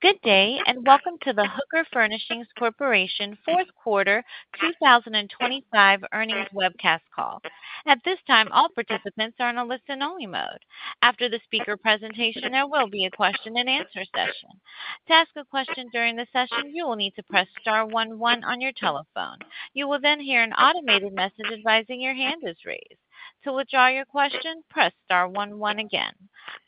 Good day, and welcome to the Hooker Furnishings Corporation Fourth Quarter 2025 Earnings Webcast Call. At this time, all participants are on a listen-only mode. After the speaker presentation, there will be a question-and-answer session. To ask a question during the session, you will need to press star one one on your telephone. You will then hear an automated message advising your hand is raised. To withdraw your question, press star one one again.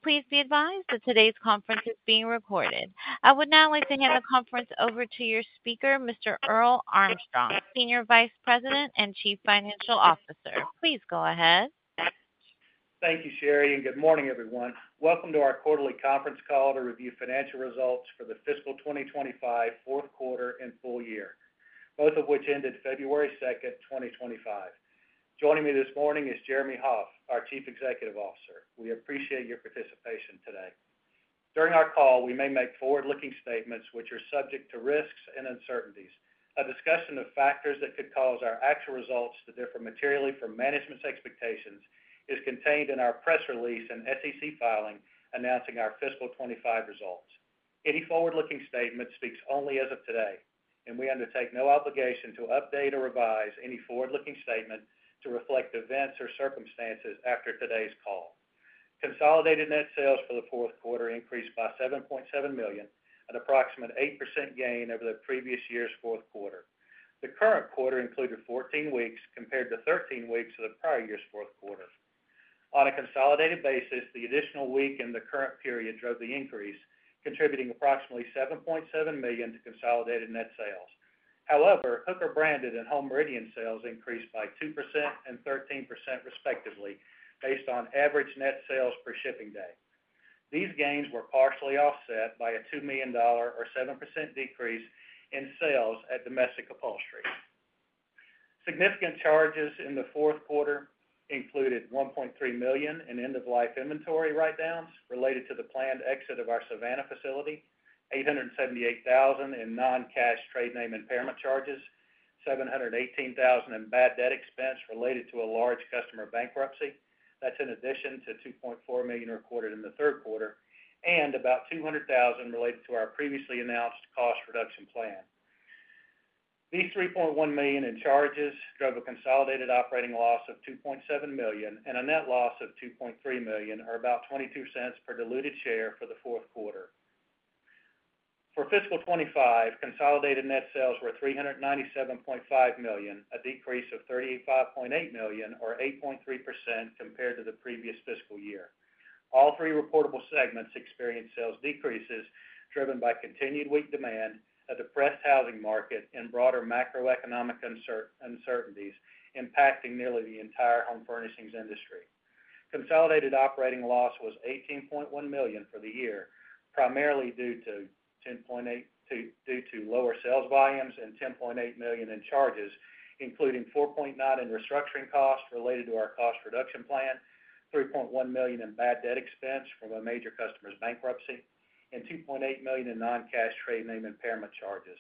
Please be advised that today's conference is being recorded. I would now like to hand the conference over to your speaker, Mr. Earl Armstrong, Senior Vice President and Chief Financial Officer. Please go ahead. Thank you, Sherry, and good morning, everyone. Welcome to our quarterly conference call to review financial results for the fiscal 2025 fourth quarter and full year, both of which ended February 2, 2025. Joining me this morning is Jeremy Hoff, our Chief Executive Officer. We appreciate your participation today. During our call, we may make forward-looking statements which are subject to risks and uncertainties. A discussion of factors that could cause our actual results to differ materially from management's expectations is contained in our press release and SEC filing announcing our fiscal 2025 results. Any forward-looking statement speaks only as of today, and we undertake no obligation to update or revise any forward-looking statement to reflect events or circumstances after today's call. Consolidated net sales for the fourth quarter increased by $7.7 million at approximate 8% gain over the previous year's fourth quarter. The current quarter included 14 weeks compared to 13 weeks of the prior year's fourth quarter. On a consolidated basis, the additional week in the current period drove the increase, contributing approximately $7.7 million to consolidated net sales. However, Hooker Branded and Home Meridian sales increased by 2% and 13% respectively, based on average net sales per shipping day. These gains were partially offset by a $2 million or 7% decrease in sales at Domestic Upholstery. Significant charges in the fourth quarter included $1.3 million in end-of-life inventory write-downs related to the planned exit of our Savannah facility, $878,000 in non-cash trade name impairment charges, $718,000 in bad debt expense related to a large customer bankruptcy. That's in addition to $2.4 million recorded in the third quarter and about $200,000 related to our previously announced cost reduction plan. These $3.1 million in charges drove a consolidated operating loss of $2.7 million and a net loss of $2.3 million, or about $0.22 per diluted share for the fourth quarter. For fiscal 2025, consolidated net sales were $397.5 million, a decrease of $35.8 million, or 8.3% compared to the previous fiscal year. All three reportable segments experienced sales decreases driven by continued weak demand, a depressed housing market, and broader macroeconomic uncertainties impacting nearly the entire home furnishings industry. Consolidated operating loss was $18.1 million for the year, primarily due to lower sales volumes and $10.8 million in charges, including $4.9 million in restructuring costs related to our cost reduction plan, $3.1 million in bad debt expense from a major customer's bankruptcy, and $2.8 million in non-cash trade name impairment charges.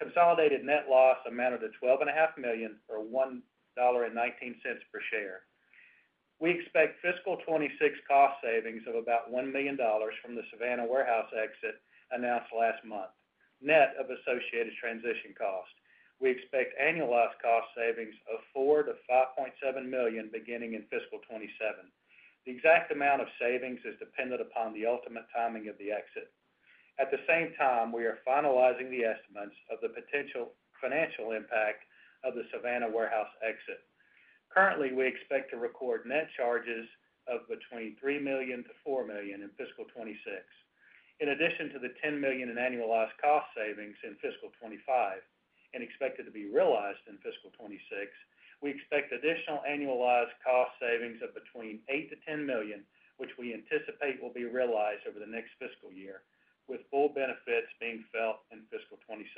Consolidated net loss amounted to $12.5 million, or $1.19 per share. We expect fiscal 2026 cost savings of about $1 million from the Savannah warehouse exit announced last month, net of associated transition cost. We expect annualized cost savings of $4-$5.7 million beginning in fiscal 2027. The exact amount of savings is dependent upon the ultimate timing of the exit. At the same time, we are finalizing the estimates of the potential financial impact of the Savannah warehouse exit. Currently, we expect to record net charges of between $3-$4 million in fiscal 2026. In addition to the $10 million in annualized cost savings in fiscal 2025 and expected to be realized in fiscal 2026, we expect additional annualized cost savings of between $8-$10 million, which we anticipate will be realized over the next fiscal year, with full benefits being felt in fiscal 2027.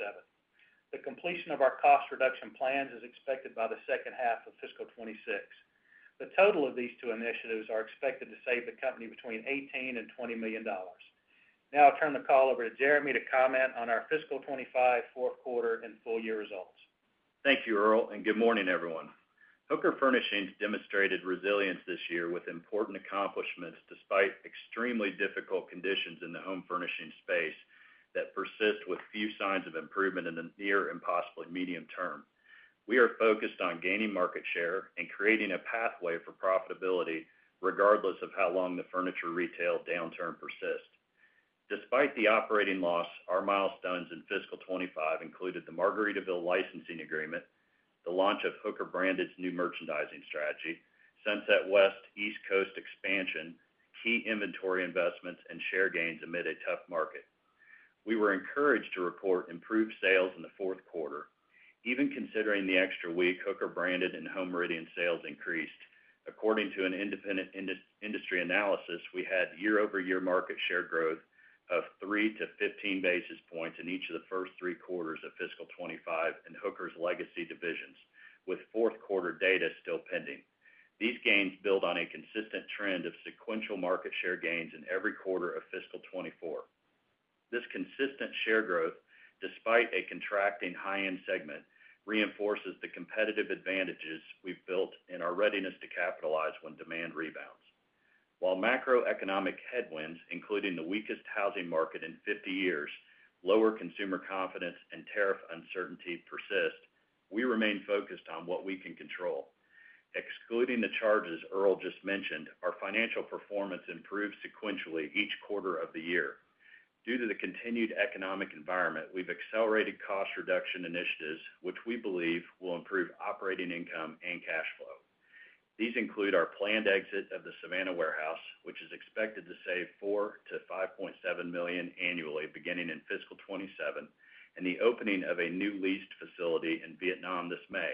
The completion of our cost reduction plans is expected by the second half of fiscal 2026. The total of these two initiatives are expected to save the company between $18-$20 million. Now I'll turn the call over to Jeremy to comment on our fiscal 2025 fourth quarter and full year results. Thank you, Earl, and good morning, everyone. Hooker Furnishings demonstrated resilience this year with important accomplishments despite extremely difficult conditions in the home furnishing space that persist with few signs of improvement in the near impossible medium term. We are focused on gaining market share and creating a pathway for profitability regardless of how long the furniture retail downturn persists. Despite the operating loss, our milestones in fiscal 2025 included the Margaritaville licensing agreement, the launch of Hooker Branded's new merchandising strategy, Sunset West East Coast expansion, key inventory investments, and share gains amid a tough market. We were encouraged to report improved sales in the fourth quarter. Even considering the extra week, Hooker Branded and Home Meridian sales increased. According to an independent industry analysis, we had year-over-year market share growth of 3-15 basis points in each of the first three quarters of fiscal 2025 in Hooker's legacy divisions, with fourth quarter data still pending. These gains build on a consistent trend of sequential market share gains in every quarter of fiscal 2024. This consistent share growth, despite a contracting high-end segment, reinforces the competitive advantages we've built and our readiness to capitalize when demand rebounds. While macroeconomic headwinds, including the weakest housing market in 50 years, lower consumer confidence, and tariff uncertainty persist, we remain focused on what we can control. Excluding the charges Earl just mentioned, our financial performance improves sequentially each quarter of the year. Due to the continued economic environment, we've accelerated cost reduction initiatives, which we believe will improve operating income and cash flow. These include our planned exit of the Savannah warehouse, which is expected to save $4-$5.7 million annually beginning in fiscal 2027, and the opening of a new leased facility in Vietnam this May.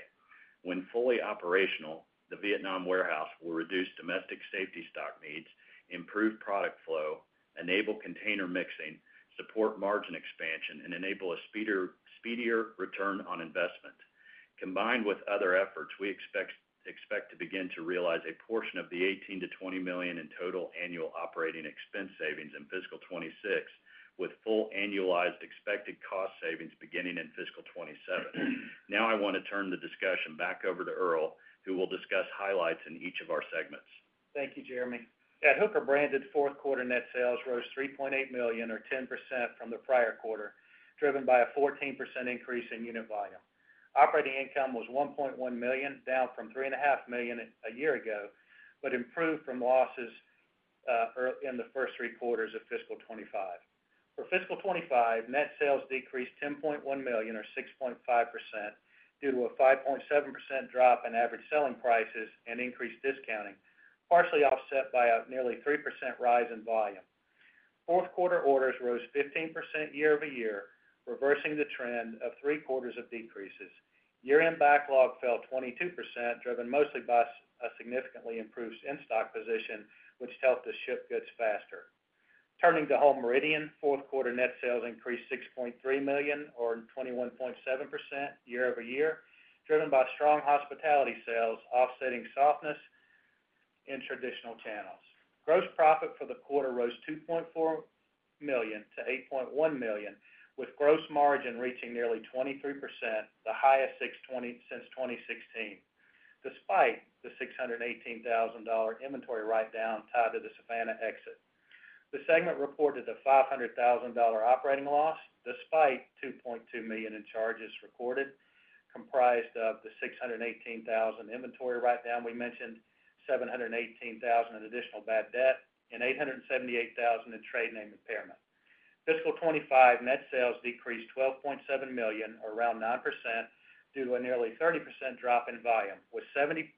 When fully operational, the Vietnam warehouse will reduce domestic safety stock needs, improve product flow, enable container mixing, support margin expansion, and enable a speedier return on investment. Combined with other efforts, we expect to begin to realize a portion of the $18-$20 million in total annual operating expense savings in fiscal 2026, with full annualized expected cost savings beginning in fiscal 2027. Now I want to turn the discussion back over to Earl, who will discuss highlights in each of our segments. Thank you, Jeremy. At Hooker Branded, fourth quarter net sales rose $3.8 million, or 10% from the prior quarter, driven by a 14% increase in unit volume. Operating income was $1.1 million, down from $3.5 million a year ago, but improved from losses in the first three quarters of fiscal 2025. For fiscal 2025, net sales decreased $10.1 million, or 6.5%, due to a 5.7% drop in average selling prices and increased discounting, partially offset by a nearly 3% rise in volume. Fourth quarter orders rose 15% year-over-year, reversing the trend of three quarters of decreases. Year-end backlog fell 22%, driven mostly by a significantly improved in-stock position, which helped us ship goods faster. Turning to Home Meridian, fourth quarter net sales increased $6.3 million, or 21.7% year-over-year, driven by strong hospitality sales, offsetting softness in traditional channels. Gross profit for the quarter rose $2.4 million to $8.1 million, with gross margin reaching nearly 23%, the highest since 2016, despite the $618,000 inventory write-down tied to the Savannah exit. The segment reported a $500,000 operating loss, despite $2.2 million in charges recorded, comprised of the $618,000 inventory write-down we mentioned, $718,000 in additional bad debt, and $878,000 in trade name impairment. Fiscal 2025 net sales decreased $12.7 million, or around 9%, due to a nearly 30% drop in volume, with 78%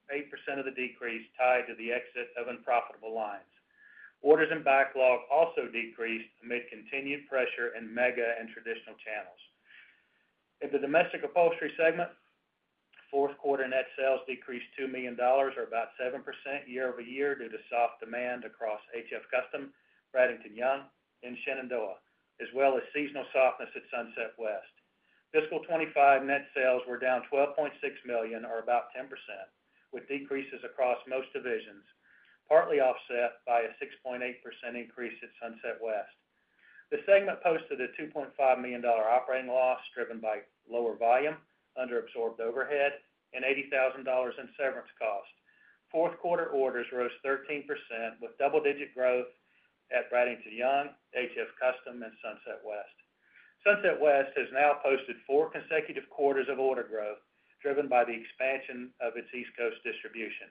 of the decrease tied to the exit of unprofitable lines. Orders and backlog also decreased amid continued pressure in mega and traditional channels. In the domestic upholstery segment, fourth quarter net sales decreased $2 million, or about 7% year-over-year, due to soft demand across HF Custom, Bradington-Young, and Shenandoah, as well as seasonal softness at Sunset West. Fiscal 2025 net sales were down $12.6 million, or about 10%, with decreases across most divisions, partly offset by a 6.8% increase at Sunset West. The segment posted a $2.5 million operating loss, driven by lower volume, under-absorbed overhead, and $80,000 in severance cost. Fourth quarter orders rose 13%, with double-digit growth at Bradington-Young, HF Custom, and Sunset West. Sunset West has now posted four consecutive quarters of order growth, driven by the expansion of its East Coast distribution.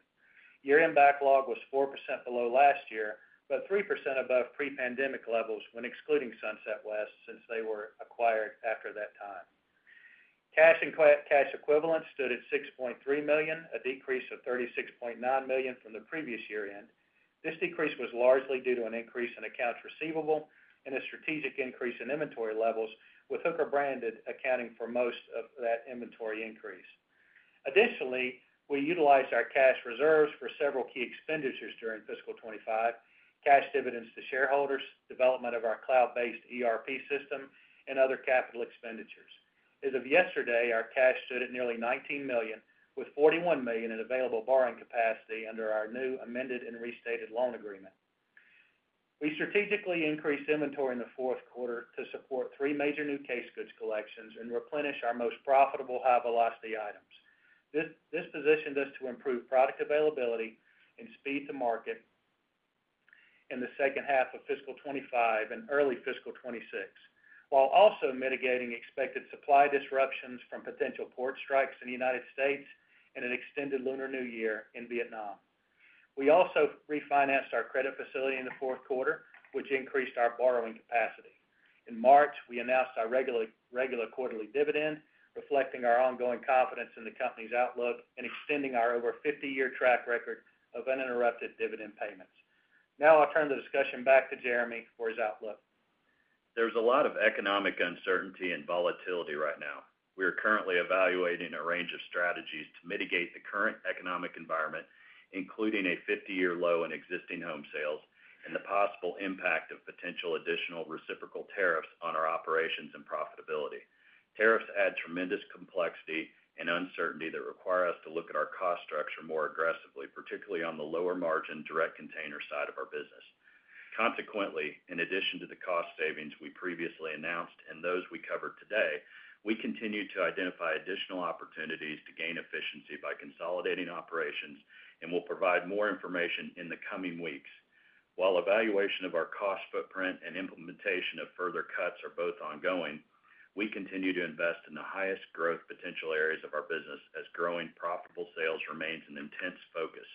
Year-end backlog was 4% below last year, but 3% above pre-pandemic levels when excluding Sunset West since they were acquired after that time. Cash and cash equivalents stood at $6.3 million, a decrease of $36.9 million from the previous year-end. This decrease was largely due to an increase in accounts receivable and a strategic increase in inventory levels, with Hooker Branded accounting for most of that inventory increase. Additionally, we utilized our cash reserves for several key expenditures during fiscal 2025: cash dividends to shareholders, development of our cloud-based ERP system, and other capital expenditures. As of yesterday, our cash stood at nearly $19 million, with $41 million in available borrowing capacity under our new amended and restated loan agreement. We strategically increased inventory in the fourth quarter to support three major new case goods collections and replenish our most profitable high-velocity items. This positioned us to improve product availability and speed to market in the second half of fiscal 2025 and early fiscal 2026, while also mitigating expected supply disruptions from potential port strikes in the U.S. and an extended Lunar New Year in Vietnam. We also refinanced our credit facility in the fourth quarter, which increased our borrowing capacity. In March, we announced our regular quarterly dividend, reflecting our ongoing confidence in the company's outlook and extending our over 50-year track record of uninterrupted dividend payments. Now I'll turn the discussion back to Jeremy for his outlook. There's a lot of economic uncertainty and volatility right now. We are currently evaluating a range of strategies to mitigate the current economic environment, including a 50-year low in existing home sales and the possible impact of potential additional reciprocal tariffs on our operations and profitability. Tariffs add tremendous complexity and uncertainty that require us to look at our cost structure more aggressively, particularly on the lower margin direct container side of our business. Consequently, in addition to the cost savings we previously announced and those we covered today, we continue to identify additional opportunities to gain efficiency by consolidating operations and will provide more information in the coming weeks. While evaluation of our cost footprint and implementation of further cuts are both ongoing, we continue to invest in the highest growth potential areas of our business as growing profitable sales remains an intense focus.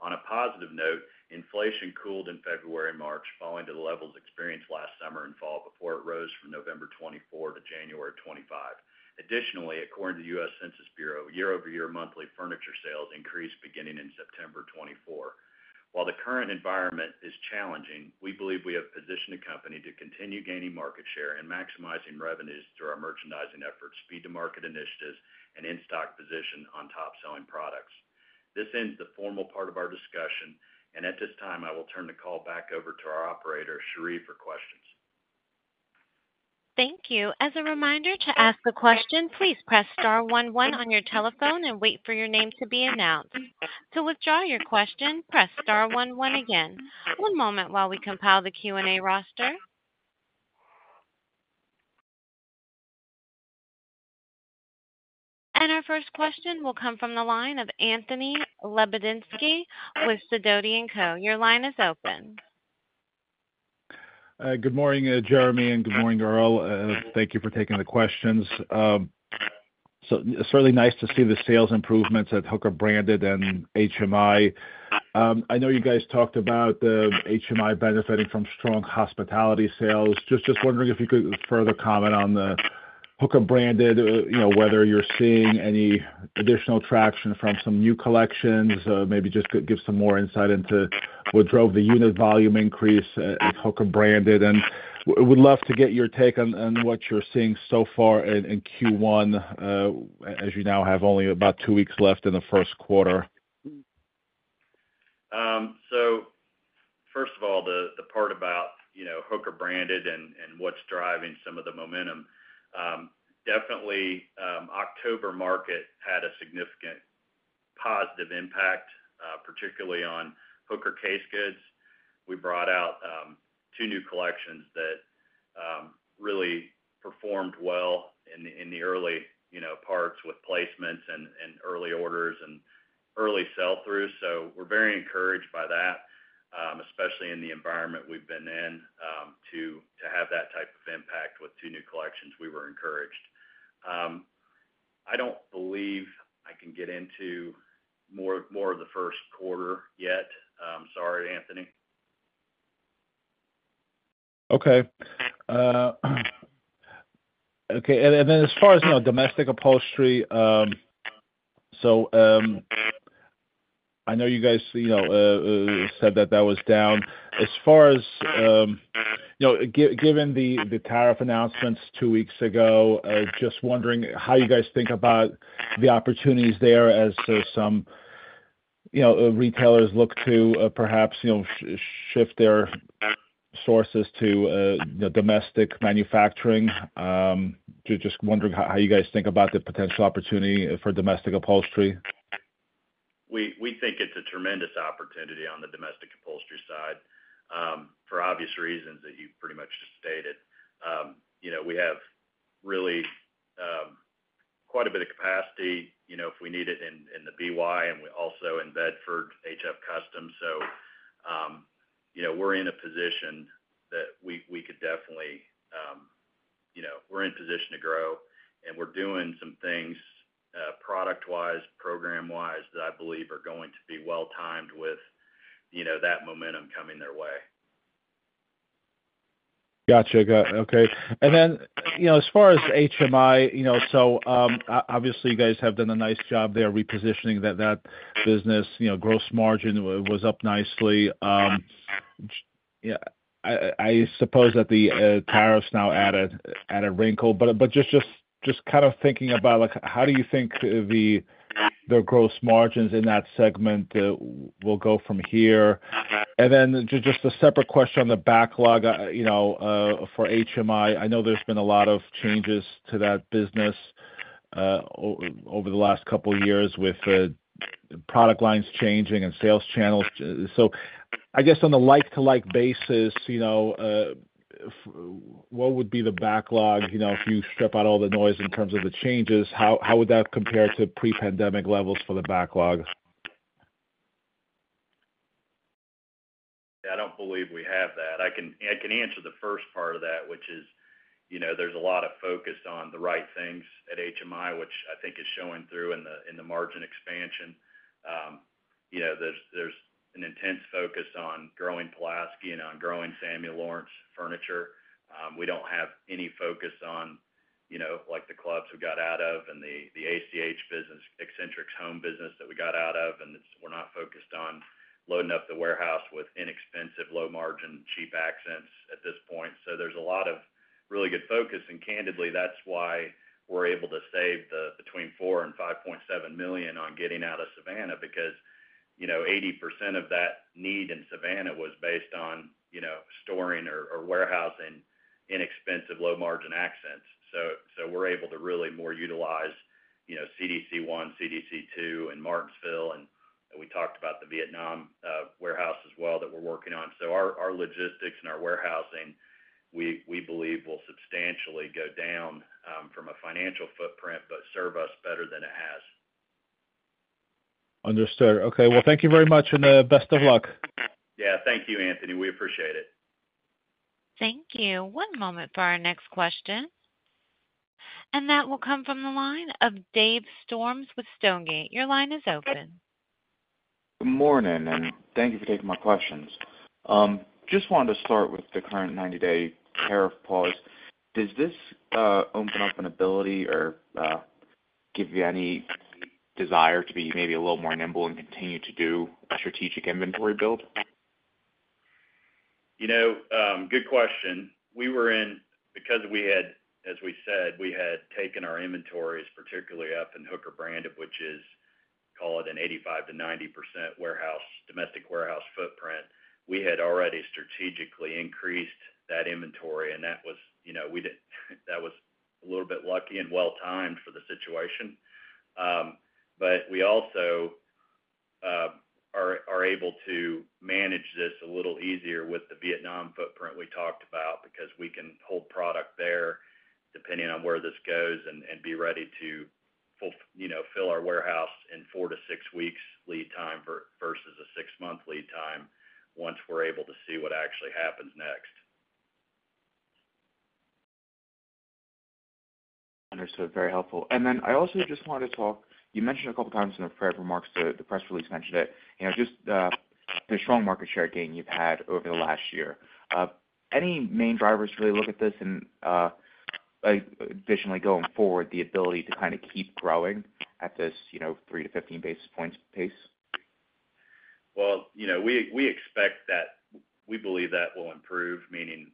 On a positive note, inflation cooled in February and March, falling to the levels experienced last summer and fall before it rose from November 2024 to January 2025. Additionally, according to the U.S. Census Bureau, year-over-year monthly furniture sales increased beginning in September 2024. While the current environment is challenging, we believe we have positioned the company to continue gaining market share and maximizing revenues through our merchandising efforts, speed to market initiatives, and in-stock position on top-selling products. This ends the formal part of our discussion, and at this time, I will turn the call back over to our operator, Sherry, for questions. Thank you. As a reminder to ask a question, please press star one one on your telephone and wait for your name to be announced. To withdraw your question, press star one one again. One moment while we compile the Q&A roster. Our first question will come from the line of Anthony Lebedinsky with Sidoti & Co. Your line is open. Good morning, Jeremy, and good morning, Earl. Thank you for taking the questions. It's certainly nice to see the sales improvements at Hooker Branded and HMI. I know you guys talked about HMI benefiting from strong hospitality sales. I am just wondering if you could further comment on the Hooker Branded, whether you're seeing any additional traction from some new collections, maybe just give some more insight into what drove the unit volume increase at Hooker Branded. We'd love to get your take on what you're seeing so far in Q1, as you now have only about two weeks left in the first quarter. First of all, the part about Hooker Branded and what's driving some of the momentum, definitely October market had a significant positive impact, particularly on Hooker case goods. We brought out two new collections that really performed well in the early parts with placements and early orders and early sell-throughs. We are very encouraged by that, especially in the environment we've been in. To have that type of impact with two new collections, we were encouraged. I don't believe I can get into more of the first quarter yet. Sorry, Anthony. Okay. Okay. As far as domestic upholstery, I know you guys said that that was down. As far as given the tariff announcements two weeks ago, just wondering how you guys think about the opportunities there as some retailers look to perhaps shift their sources to domestic manufacturing. Just wondering how you guys think about the potential opportunity for domestic upholstery. We think it's a tremendous opportunity on the domestic upholstery side for obvious reasons that you've pretty much just stated. We have really quite a bit of capacity if we need it in the BY and also in Bedford, HF Custom. We are in a position that we could definitely, we are in a position to grow, and we're doing some things product-wise, program-wise that I believe are going to be well-timed with that momentum coming their way. Gotcha. Okay. As far as HMI, you guys have done a nice job there repositioning that business. Gross margin was up nicely. I suppose that the tariffs now add a wrinkle, but just kind of thinking about how do you think the gross margins in that segment will go from here? Just a separate question on the backlog for HMI. I know there's been a lot of changes to that business over the last couple of years with product lines changing and sales channels. I guess on a like-to-like basis, what would be the backlog? If you strip out all the noise in terms of the changes, how would that compare to pre-pandemic levels for the backlog? Yeah, I don't believe we have that. I can answer the first part of that, which is there's a lot of focus on the right things at HMI, which I think is showing through in the margin expansion. There's an intense focus on growing Pulaski and on growing Samuel Lawrence furniture. We don't have any focus on the clubs we got out of and the ACH business, Eccentrics home business that we got out of. We're not focused on loading up the warehouse with inexpensive, low-margin, cheap accents at this point. There's a lot of really good focus, and candidly, that's why we're able to save between $4-$5.7 million on getting out of Savannah because 80% of that need in Savannah was based on storing or warehousing inexpensive, low-margin accents. We're able to really more utilize CDC One, CDC Two, and Martinsville. We talked about the Vietnam warehouse as well that we're working on. Our logistics and our warehousing, we believe, will substantially go down from a financial footprint, but serve us better than it has. Understood. Okay. Thank you very much and best of luck. Yeah. Thank you, Anthony. We appreciate it. Thank you. One moment for our next question. That will come from the line of Dave Storms with Stonegate. Your line is open. Good morning, and thank you for taking my questions. Just wanted to start with the current 90-day tariff pause. Does this open up an ability or give you any desire to be maybe a little more nimble and continue to do a strategic inventory build? Good question. Because we had, as we said, we had taken our inventories, particularly up in Hooker Branded, which is, call it an 85-90% domestic warehouse footprint. We had already strategically increased that inventory, and that was a little bit lucky and well-timed for the situation. We also are able to manage this a little easier with the Vietnam footprint we talked about because we can hold product there depending on where this goes and be ready to fill our warehouse in four to six weeks lead time versus a six-month lead time once we're able to see what actually happens next. Understood. Very helpful. I also just wanted to talk—you mentioned a couple of times in the prep remarks, the press release mentioned it—just the strong market share gain you have had over the last year. Any main drivers really look at this and additionally going forward, the ability to kind of keep growing at this 3-15 basis points pace? We expect that we believe that will improve, meaning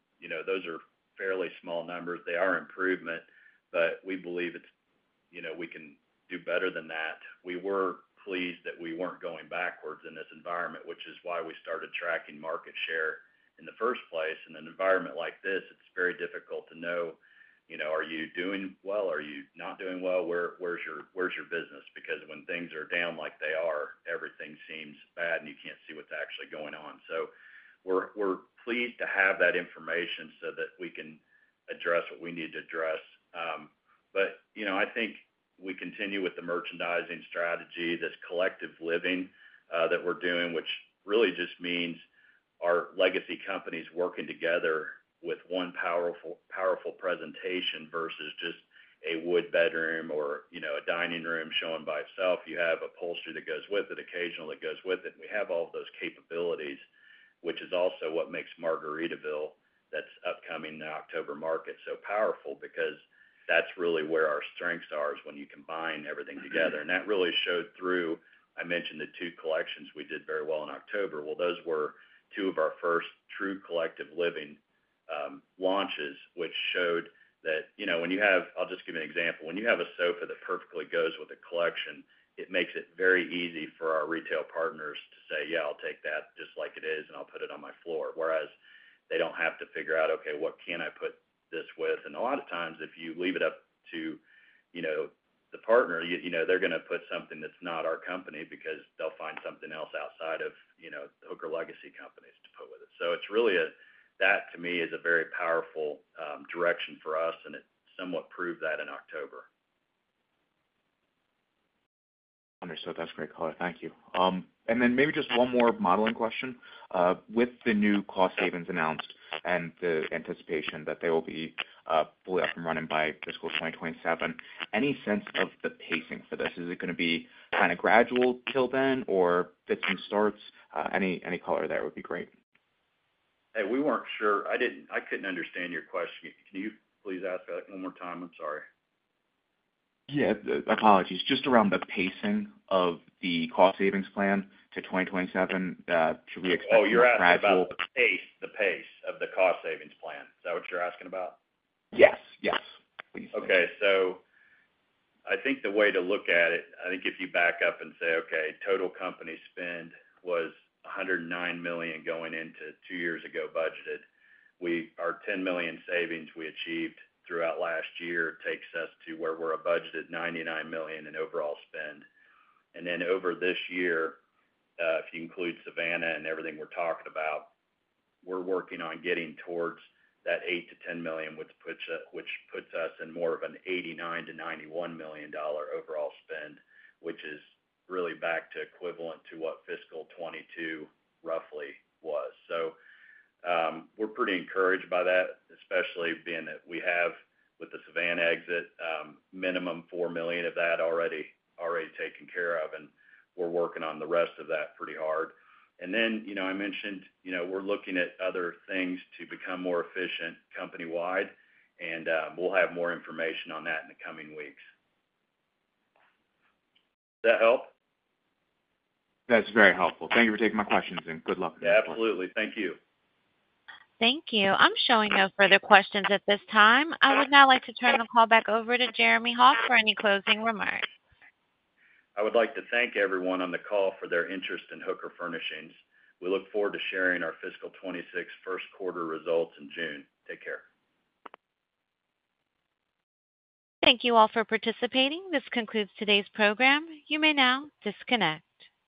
those are fairly small numbers. They are improvement, but we believe we can do better than that. We were pleased that we were not going backwards in this environment, which is why we started tracking market share in the first place. In an environment like this, it is very difficult to know, are you doing well? Are you not doing well? Where is your business? Because when things are down like they are, everything seems bad, and you cannot see what is actually going on. We are pleased to have that information so that we can address what we need to address. I think we continue with the merchandising strategy, this Collective Living that we are doing, which really just means our legacy companies working together with one powerful presentation versus just a wood bedroom or a dining room showing by itself. You have upholstery that goes with it, occasional that goes with it. We have all of those capabilities, which is also what makes Margaritaville, that is upcoming October market, so powerful because that is really where our strengths are is when you combine everything together. That really showed through—I mentioned the two collections we did very well in October. Those were two of our first true collective living launches, which showed that when you have—I will just give you an example. When you have a sofa that perfectly goes with a collection, it makes it very easy for our retail partners to say, "Yeah, I'll take that just like it is, and I'll put it on my floor," whereas they don't have to figure out, "Okay, what can I put this with?" A lot of times, if you leave it up to the partner, they're going to put something that's not our company because they'll find something else outside of Hooker Legacy companies to put with it. It really is that, to me, is a very powerful direction for us, and it somewhat proved that in October. Understood. That's great, Caller. Thank you. Maybe just one more modeling question. With the new cost savings announced and the anticipation that they will be fully up and running by fiscal 2027, any sense of the pacing for this? Is it going to be kind of gradual till then or fits and starts? Any color there would be great. Hey, we were not sure. I could not understand your question. Can you please ask that one more time? I'm sorry. Yeah. Apologies. Just around the pacing of the cost savings plan to 2027, should we expect a gradual? Oh, you're asking about the pace of the cost savings plan. Is that what you're asking about? Yes. Yes. Okay. I think the way to look at it, I think if you back up and say, "Okay, total company spend was $109 million going into two years ago budgeted." Our $10 million savings we achieved throughout last year takes us to where we're budgeted $99 million in overall spend. Over this year, if you include Savannah and everything we're talking about, we're working on getting towards that $8-$10 million, which puts us in more of a $89-$91 million overall spend, which is really back to equivalent to what fiscal 2022 roughly was. We're pretty encouraged by that, especially being that we have, with the Savannah exit, minimum $4 million of that already taken care of, and we're working on the rest of that pretty hard. I mentioned we're looking at other things to become more efficient company-wide, and we'll have more information on that in the coming weeks. Does that help? That's very helpful. Thank you for taking my questions, and good luck. Absolutely. Thank you. Thank you. I'm showing no further questions at this time. I would now like to turn the call back over to Jeremy Hoff for any closing remarks. I would like to thank everyone on the call for their interest in Hooker Furnishings. We look forward to sharing our fiscal 2026 first quarter results in June. Take care. Thank you all for participating. This concludes today's program. You may now disconnect.